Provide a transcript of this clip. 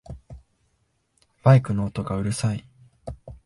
バイクの音がうるさい